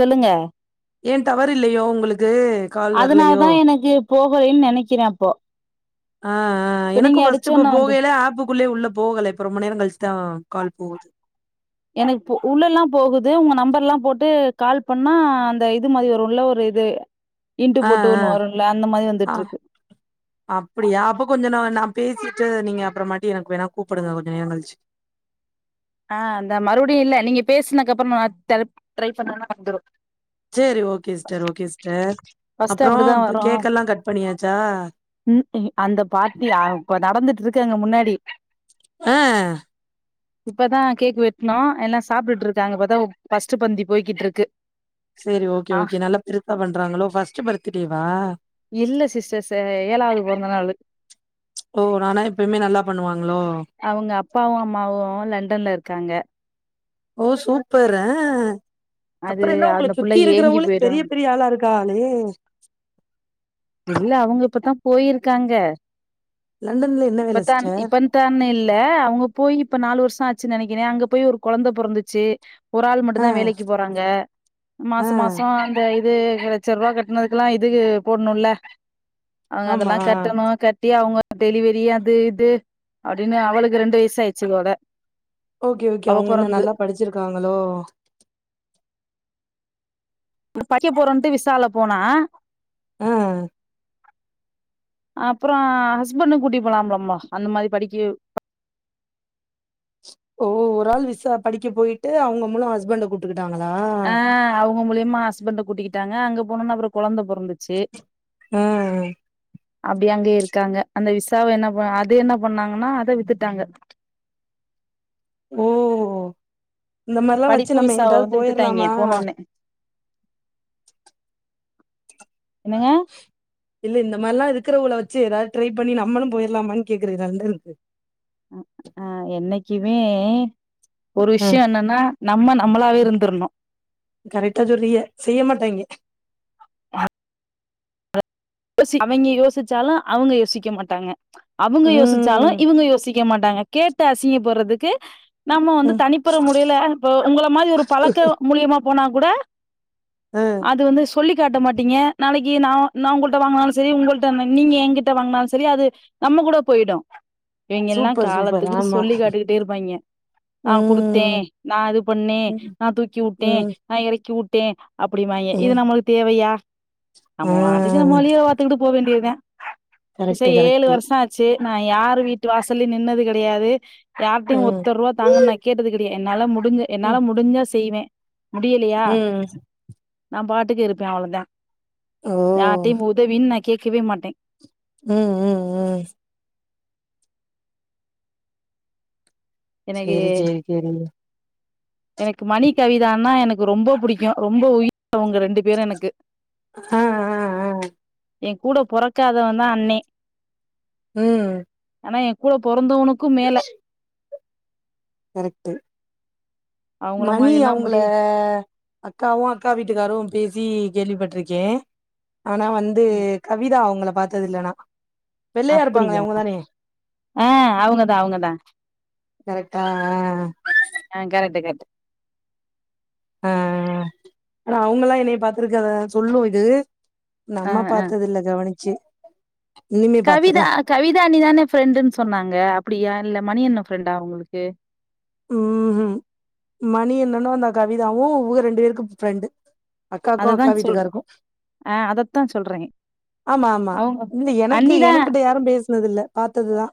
சொல்லுங்க ஏன் டவர் இல்லையோ உங்களுக்கு கால் அதனால வரலையோ தா எனக்கு போகலேன்னு நெனைக்கிற அப்போ ஆ ஆ ஆ இப்ப நீங்க எனக்கு ஃபர்ஸ்ட்டு இப்போ அடிச்சோன்ன வந்து போகையுல ஆப்புக்குள்ளே உள்ள போகல ரொம்ப நேரோ கழிச்சுதா கால் போகுது எனக்கு உள்ள லா போகுது உங்க நம்பர்லா போட்டு கால் பண்ணா அந்த இது மாரி வருல ஒரு இது இன்டு ஆ போட்டு ஆ ஒன்னு வருல அந்த மாரி ஆ வந்துட்டு இருக்கு அப்டியா அப்போ கொஞ்ச ந நா பேசிட்டு நீங்க அப்றமாட்டி எனக்கு வேணா கூப்டுங்க கொஞ்ச நேரோ கழிச்சு ஆ அந்த மறுபடியு இல்ல நீங்க பேசுனகப்றோ நா த் த ட்ரை பண்ணணா வந்துடு செரி okay sister okay sister first அப்றோ அப்படிதான் வரும் கேக் எல்லா கட் பண்ணியாச்சா ம் ம் அந்த பாட்டி அ இப்ப நடந்துட்டு இருக்கு முன்னாடி ஆ இப்பதா கேக் வெட்னோ எல்லா சாப்டுட்ருக்காங்க இப்பத்தா ஃபர்ஸ்ட்டு பந்தி போய்க்கிட்ருக்கு சேரி ஓகே ஓகே நல்லா பெருசா பண்றாங்ளோ ஃபஸ்ட்டு பர்த்துடேவா இல்ல சிஸ்டர் செ ஏழாவது பொறந்தநாளூ ஓ நானா எப்பயுமே நல்லா பண்ணுவாங்ளோ அவங்க அப்பாவு அம்மாவு லண்டன்ல இருக்காங்க ஓ சூப்பர் ஆ அது அப்றோ என்ன உங்கள அந்த புள்ள சுத்தி ஏங்கி இருக்குறவகளே பெரிய போயிரும் பெரிய ஆளா இருக்காகளே இல்ல அவங்க இப்பதா போயிருக்காங்க லண்டன்ல என்ன வேல இப்பத்தான் சிஸ்டர் இப்பத்தானு இல் ல அவங்க போய் இப்ப நாலு வருஷொ ஆச்சு நெனைக்கிறே அங்க போய் ஒரு கொழந்த பொறந்துச்சி ஒரு ஆள் ஆ மட்டுந்தா வேலைக்கி போறாங்க ஆ மாச மாசோ இந்த இது லட்ச ரூபா கட்னதுக்குலா இது போட்ணுல்ல அவங்க ஆமா அதெல்லா கட்டணு கட்டி அவுங்க டெலிவரி அது இது அப்டின்னு அவளுக்கு ரெண்டு வயசு ஆயிருச்சி இதோட ஓகே ஓகே அவ அவங்க என்ன பொறந்து நல்லா படிச்சிருக்காங்களோ படிக்க போறோன்ட்டு விசால போனா ஆ அப்றோ ஹஸ்பண்ட்டு கூட்டி போலா போலம்மா அந்த மாரி படிக்க ஓ ஒரு ஆள் விசா படிக்க போயிட்டு அவங்க மூலோ ஹஸ்பண்ட்ட கூப் டுக்கிட்டாங்களா ஆ அவங்க மூலியமா ஹஸ்பண்ட்ட கூட்டிக்கிட்டாங்க அங்க போனோனே அப்பறோ கொழந்த பொறந்துச்சி ம் அப்டி அங்கயே இருக்காங்க அந்த விசாவ என்ன ப அது என்ன பண்ணாங்கனா அத வித்துட்டாங்க ஓ இந்த மாரில்லா வச்சி படிப்பு நம்ம விசாவ எங்குட்டாவது வந்து வித்துட்டாய்ங்க போயிரலாமா போனோனே என்னங்க இல்ல இந்த மாரிலா இருக்குறவகள வச்சி எதாது ட்ரை பண்ணி நம்மளு போயிர்லாமானு கேக்குற லண்டனுக்கு அ ஆ என்னைக்குமே ஒரு ஆ விஷ்ய என்னன்னா நம்ம நம்மளாவே இருந்துருனு கரெக்ட்டா சொல்றிய செய்ய மாட்டாங்க யோசி அவங்க யோசிச்சாலு அவங்க யோசிக்க மாட்டாங்க அவங்க யோசிச்சாலு ம் இவங்க யோசிக்க மாட்டாங்க, கேட்டு அசிங்க பட்றதுக்கு நம்ம வந்து ம் தனிப்புற முறையில இப்ப உங்கள மாரி ஒரு பழக்க மூலியமா போனா கூட ஆ அது வந்து சொல்லி காட்ட மாட்டீங்க நாளைக்கு நா நா உங்க ள்ட்ட வாங்னாலு செரி உங்கள்ட நீங்க ஏங்கிட்ட வாங்னாலு செரி அது நம்ம கூட போய்டு இவைங்கல்லா சூப்பர் சூப்பர் காலத்துக்கு ஆமா சொல்லி காட்டிகிட்டே இருப்பாங்க நா குடுத்தே ம் நா இது பண்ணே ம் நா தூக்கிவுட்டே ம் நா எறக்கி வுட்டே அப்டிம்பாங்க இது ம் நமளுக்கு தேவையா நம்ம பாட்டு ஆ பாத்துகிட்டு போ வேண்டியதா ச கரெக்ட்டு ஏழு கரெக்ட்டு வருஷோ ஆச் சி நா யாரு வீட்டு வாசல்லயு நின்னது கெடையாது யார்ட்டையு ம் ஒத்த ரூவா தாங்கனு நா கேட்டது கெடயா என்னால முடிஞ்ச என்னால ம் முடிஞ்சா செய்வே முடியலையா ம் நா பாட்டுக்கு இருப்பே அவ்வளோதா ஓ யார்ட்டையு உதவினு நா கேட்கவே மாட்டே ம், ம் ம் எனக்கு சேரி சேரி சேரி எனக்கு மணி கவிதானா எனக்கு ரொம்போ புடிக்கு ரொம்ப உயிர் அவங்க ரெண்டு பேரு எனக்கு ஆ ஆ ஆ ஏ கூட பொறக்காதவந்தா அண்ணே ம் ஆனா ஏ கூட பொறந்தவனுக்கு மேல கரெக்ட்டு அவங்கள மணி மாரில்லா அவுங்கள முடி அக்காவு அக்கா வீட்டுக்காரு பேசி கேள்விப்பட்டிருக்கே ஆனா வந்து கவிதா அவுங்கள பாத்தது இல்ல நா வெள்ளையா இருப்பாங்களே அப்பிடியா அவுங்க தானே ஆ அவுங்கதா அவுங்கதா ஆ ஆ ஆ கரெட்டு கர்ட் ஆ ஆனா அவங்கல்லா என்னைய பாத்துருக்க அத சொல்லூ இது ஆ நம்ம ஆ பாத்தது இல்ல கவனிச்சு இனிமே கவிதா பாத்துர்லா கவிதா அண்ணிதான ஃப்ரெண்டுன்னு சொன்னாங்க அப்டியா இல்ல மணி அண்ண ஃப்ரெண்டா உங்களுக்கு ம்ஹு மணி அண்ணனு அந்த கவிதாவு இவக ரெண்டு பேருக்கு ஃப்ரெண்டு அக்காக்கு அததா அக்கா சொல்ற வீட்டுக்காருக்கு ஆ அதத்தா சொல்றே ஆமா ஆமா அவங்க இல்ல எனக்கு அண்ணிதா எனக்கிட்ட யாரு பேசனது இல்ல பாத்ததுதா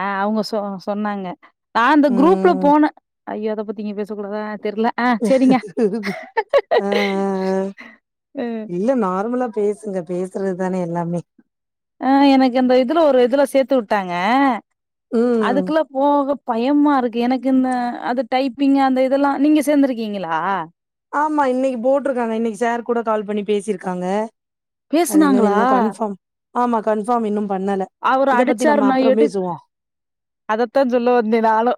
ஆ அவங்க சொ சொன்னாங்க நா அந்த குரூப்ல ம் போன ஐயோ அத பத்தி இங்க பேசக்கூடாதா தெர்ல ஆ சரிங்க ஆ இல்ல நார்மலா பேசுங்க பேசுறது தான எல்லாமே ஆ எனக்கு இந்த இதுல ஒரு இதுல சேத்து உட்டாங்க ம் அதுக்குள்ள போக பயமா இருக்கு எனக்கு இந்த அது டைப்பிங் அந்த இதெல்லா நீங்க சேந்திருக்கீங்களா ஆமா இன்னைக்கு போட்ருக்காங்க இன்னைக்கு சார் கூட கால் பண்ணி பேசியிருக்காங்க அது என்னன்னு பேசுனாங்களா இன்னு கன்ஃபார்ம் ஆமா கன்ஃபார்ம் இன்னு பண்ணல அவரு இத பத்தி அடிச்சாரு நம்ம நா அப்புறோ எடுக் பேசுவோ அதத்தா சொல்ல வந்தே நானு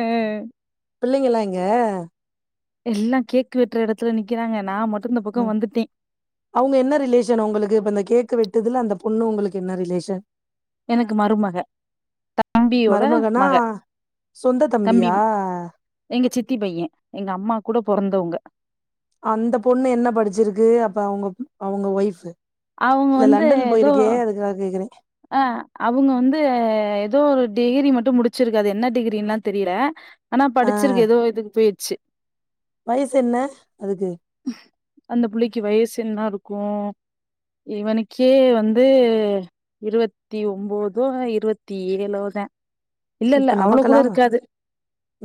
அ பிள்ளைங்களா எங்க எல்லா கேக்கு வெட்ற எடத்துல நிக்கறாங்க நா மட்டு இந்த பக்கோ வந்துட்ட அவூங்க என்ன ரிலேஷன் உங்களுக்கு இப்ப இந்த கேக்கு வெட்டுதுல அந்த பொண்ணு உங்களுக்கு என்ன ரிலேஷன் எனக்கு மருமக தம்பியோட மருமகனா மக சொந்த தம்பி தம்பியா எங்க சித்தி பைய எங்க அம்மா கூட பொறந்தவங்க அந்த பொண்ணு என்ன படிச்சிருக்கு அப்ப அவுங்க அவுங்க ஒய்ஃபு அவங்க இல்ல லண்டன் போயிருக்கே அதுக்காக கேக்கறே அ அவுங்க வந்து ஏதோ ஒரு டிகிரி மட்டு முடிச்சிருக்கது என்ன டிகிரின்லா தெரில ஆனா ஆ படிச்சிருக்கு எதோ இதுக்கு போயிர்ச்சு வயசு என்ன அதுக்கு அந்த புள்ளைக்கு வயசு என்ன இருக்கு இவனுக்கே வந்து இருவத்தி ஒம்போதோ இருவத்தி ஏழோதா இல்ல இல்ல இப்ப அவ்ளோ கூட நமக்கெல்லாம் இருக்காது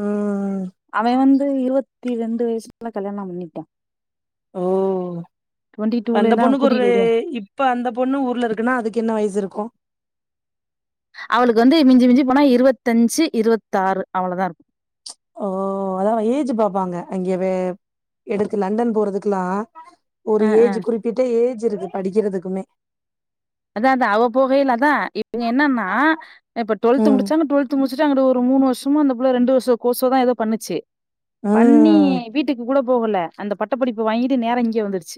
ம். அவ வந்து இருவத்தி ரெண்டு வயசுக்குல கல்யாணம் பண்ணிட்டா ஓ டுவெண்டி அந்த டூலலா பொண்ணுக்கு ஒரு கூட்டிட்டு ஓடியா இப் இப்ப அந்த பொண்ணு ஊர்ல இருக்குன்னா அதுக்கென்ன வயசு இருக்கு அவளுக்கு வந்து மிஞ்சி மிஞ்சி போனா இருவத்தஞ்சு இருவத்தாறு அவ்ளதா இருக்கு ஓ ஓ அதாவ ஏஜ் பாப்பாங்க அங்கே வெ எடுக்கு லண்டன் போறதுக்குலா ஒரு அ அ ஏஜ் குறிப்பிட்ட ஏஜ் இருக்கு படிக்கிறதுக்குமே அதா அதா அவ போகையில அதா இவங்க என்னன்னா இப்ப டுவெல்த் ம். முடிச்சாங்க டுவெல் த்து முடிச்சுட்டு அங்கிட்டு ஒரு மூணு வருஷமு அந்த புள்ள ரெண்டு வருஷ கோர்சோ தா எதோ பண்ணுச்சு பண்ணி ம். வீட்டுக்கு கூட போகல அந்த பட்ட படிப்பு வாங்கிட்டு நேரா இங்க வந்துடுச்சு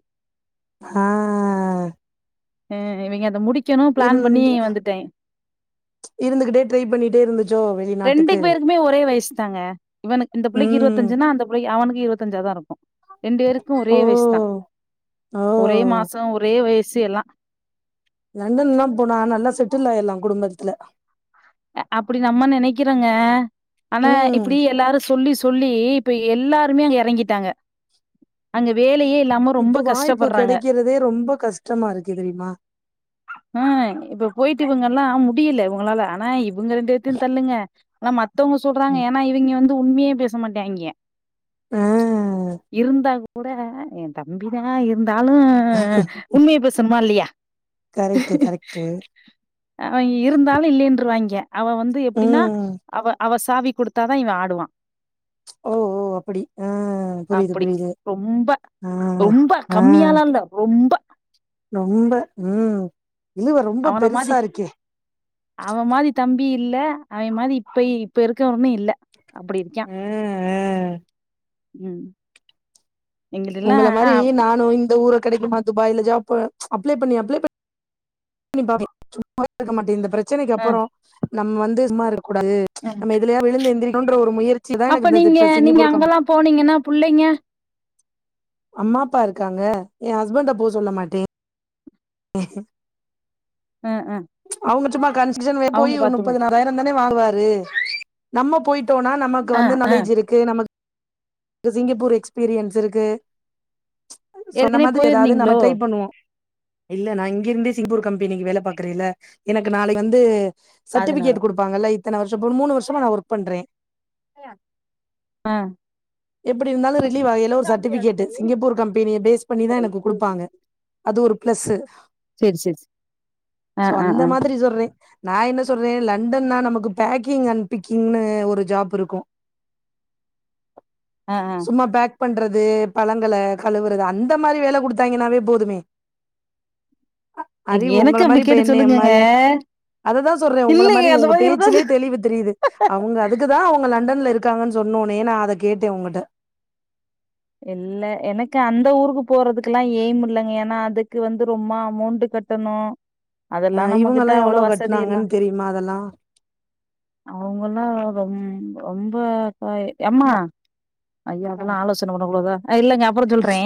ஹா அ இவிங்க அத முடிக் இருந்து இருந்துகிட்டே ட்ரை பண்ணிட்டே இருந்து ரெண்டு பேருக்குமே ஒரே வயசுதாங்க இவனுக்கு இந்த பிள்ளைக்கு ம். இருபத்தஞ்சுன்னா அந்த பிள்ளைக்கு அவனுக்கு இருபத்தஞ்சா தா இருக்கும் ரெண்டு பேருக்கும் ஒரே ஓ! வயசு தா ஒரே ஓ! மாசம் ஒரே வயசு எல்லா லண்டன் லா போனா நல்லா செட்டில் ஆயிர்லா குடும்பத்துல அப்டி நம்ம நெனக்கிறோங்க ஆனா ம் இப்டி எல்லாரு சொல்லி சொல்லி இப்ப எல்லாருமே எறங்கிட்டாங்க அங்க வேலயே இல்லாம ரொம்ப இப்போ வாய்ப்பு கஷ்டப்பட்றாங்க கெடக்கிறதே ரொம்பக் கஷ்டமாருக்கு தெரிம்மா ஆ இப்பப் போயிட்டு இவங்கல்லா முடியல இவங்களால ஆனா இப் இவங்க ரெண்டுப் பேத்தையு தள்ளுங்க ஆனா மத்தவங்க சொல்றாங்க ம். ஏன்னா இவிங்க வந்து உண்மையேப் பேச மாட்டாய்ங்க ஆ இருந்தாக்கூட என் தம் தம்பி தா இருந்தாலு உண்மையப் பேசணுமா இல்லையா கரெக்ட்டு கரெக்ட்டு அவன் இருந்தாலு இல்லைன்றுவாய்ங்க அவன் வந்து எப்டின்னா ம் அவ அவ சாவிக் குடுத் தாதா இவன் ஆடுவான் ஓ ஓ அப்படி ஆ புரிதுப் புரிது ரொம்பக் கம்மியாலால்ல ரொம்ப ரொம்ப ம் இழுவ ரொம்பப் அவன மாதி பெருசாருக்கே அவன் மாதி தம்பி இல்ல அவன் மாதி இப்ப இப்ப இருக்கவன்னு இல்ல அப்படி இருக்யான் ஆ ஆ ம் எங்கள்டல்லாம் உங்கள அ மாரி நானு இந்த ஊரக் கெடைக்குமா துபாய்ல ஜாப்பு அப்ளைப் பண்ணி அப்ளைப் பண்ணிப் பாப்பே சும்மாவே இருக்க மாட்டே இந்தப் பிரச் ச்சனைக்கு அ அப்றோ நம்ம வந்து சும்மாருக்கூடாது அ நம்ம எதுலயா விழுந்த எந்திரிக்கனோன்ற ஒரு முயற் சிதா எனக்கிந்த இப்ப சிங்கப்பூர் கம்ப் போனீங்கன்னாப் புள்ளைங்க அம்மா அப்பாருக்காங்க என் ஹஸ்பண்டப் போ சொல்ல மாட்டே அ அ அவுங்கச் சும்மா கன்ஸ்ட்ரக்ஷன் போய் அவங்க ஒரு பாத்துங்க. முப்பது நாப் பதாயிரம் தான வாங்குவாரு நம்மப் போயிட்டோனா நமக்கு அ வந்து அ நாலேஜ் இருக்கு நமக் இந்த சிங்கப்பூர் எக்ஸ்பீரியன்ஸ் இருக்கு சொன்ன ஏற்கனவே மாதிரி எதாவது நம்ம போயிருந்தீங்களோ? ட்ரைப் பண்ணுவோ இல்ல நா இங்கிருந்தே சிங்கபூர் கம்பெனிக்கு வேலப் பாக்குறேல்ல எனக்கு நாளைக்கு வந்து அதனால. சர்டிஃபிகேட் குடுப்பாங்கல்ல இத்தன வருஷம் மூணு வருஷமா நா ஒர்க பண்றே ஆ எப்டி இருந்தாலு ரிலீவ் ஆகையில ஒரு சர்டிஃபிகேட்டு சிங்கப்பூர் கம்பெனிய பேஸ் பண்ணிதா எனக்குக் குடுப்பாங்க அது ஒருப் பிளஸ்சு சரி சரி. அ சோ அ அந்த அ. மாதிரி சொர்றே நா என்ன சொர்றே லண்டன்னா நமக்குப் பேக்கிங் அண் பிக்கிங்னு ஒரு ஜாப் இருக்கும் அ அ. சும்மாப் பேக் பண்றது பழங்களக் கழுவுறது அந்த மாரி வேலக் குடுத்தாய்ங்கன்னாவேப் போதுமே அறிவு உங்கள எனக்கு அப்டி மாரி இப்ப கேட்டு என்னய சொல்லுங்கங்க. மாரி அததா சொல்றே உங்கள இல்லைங்க மாரி அந்த உங்க இருந்தா சொ பேச்சுலயேத் தெளிவுத் தெரியுது அவுங்க அதுக் க்குதான் அவங்க லண்டன்ல இருக்காங்கன் சொன்னோன்னயே நா அதக் கேட்டேன் உங்கட்ட இல்ல எனக்கு அந்த ஊருக்குப் போறதுக்குலாம் எய்ம் இல்லங்க ஏனா அது க்கு வந்து ரொம்ம அமௌண்ட் கட்டணும் அதெல்லா அ நம்மகிட்ட இவங்கல்லா அவ்வள எவ்ளோ வசதி எல்லா கட்னாங்கன்னு தெரியுமா அதெல்லா அவங்கல்லாம் ரொம் ரொம்ப எம்மா ஐயோ அதெல்லா ஆலோஸ் அவ்ளோதா இல்லங்க அப்பறோ சொல்றே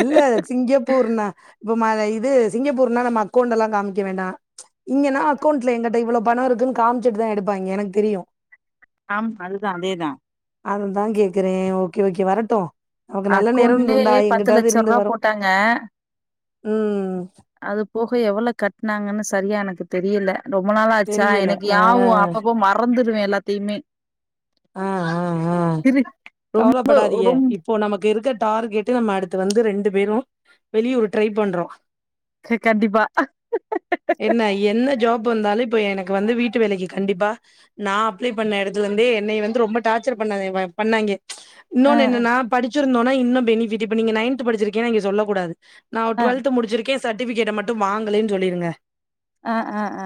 இல்ல சிங்கப்பூர்னா இப்பமா இது சிங்கப்பூர்னா நம்ம அக்கொண்டெல்லா காமிக்க வேண்டா இங்கன்னா அக்கௌண்ட்ல எங்கட்ட இவ்ளோ பணோ இருக்குன்னு காம்ச்சுட்டு தா எடுப்பாய்ங்க எனக்தெரியும் ஆம் அதுதா அதேதா அததா கேக்குறே ஓகே ஓகே வரட்டும் நமக்கு நல்ல நேரோ இருந்தா அக்கௌண்ட்லயே பத்து எங்கிட்டாவது லட்ச இருந்து ரூபா வரும் போட்டாங்க. ம் அது போக எவ்வளோ கட்டுனாங்கன்னு சரியா எனக்கு தெரியல ரொம்ப நாள் ஆச்சா தெரியல எனக்கு ஆ யாவும் அப்பப்போ மறந்துருவே எல்லாத்தையுமே இரு ரொம்ப ப்பபடாதிங்க இப் ரொம்ப இப்போ நமக்கு இருக்க டார்கெட்டு நம்ம அடுத்து வந்து ரெண்டு பேரும் வெளியூரு ட்ரை பண்றோ க கண்டிப்பா என்ன என்ன ஜாப் வந்தாலும் இப்ப எனக்கு வந்து வீட்டு வேலைக்கு கண்டிப்பா நா அப்ளை பண்ண எடத்துல இருந்தே என்னைய வந்து ரொம்ப டார்ச்சர் பண்ணாங்க பண்நாய்க ஆ இன்னொன்னு என்னன்னா படிச்சிருந்தோன்னா இன்னும் பெனிபிட்டு இப்ப நீங்க நைன்து படிச்சிருக்கே இங்க சொல்ல கூடாது நா ஒரு ஆ டுவெல்து முடிச்சிருக்கே செர்டிபிகேட்ட மட்டும் வாங்கலேன்னு சொல்லிருங்க ஆ ஆ ஆ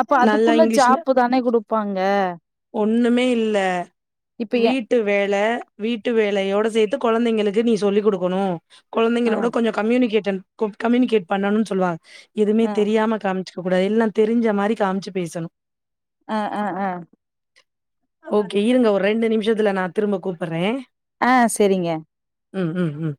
அப்ப நல்லா அதுக்குள்ள இங்கிலீஷ்ல ஜாப்பு தானே குடுப்பாங்க ஒண்ணுமே இல்ல இப்ப ஏ வீட்டு வேல வீட்டு வேலையோட சேத்து கொழந்தைங்களுக்கு நீ சொல்லிக் குடுக்கணும் ஆ கொழந்தைங்களோட கொஞ்சோ கம்யூனிகேட்டன் குட் கம்யூனிகேட் பண்ணுன்னு சொல்லுவாங்க எதுமே ஆ தெரியாம காம் ச்சுக்க கூடாது எல்லா தெரிஞ்ச மாரி காம்ச்சு பேசணு ஆ ஆ ஆ ஓகே இருங்க ஒரு ரெண்டு நிமிஷத்துல நா திரும்ப கூப்புறே ஆ செரிங்க ம் ம் ம்